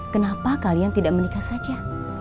kenapa kalian tidak menikah saja